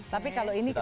tapi kalau ini kita